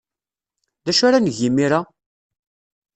D acu ara neg imir-a?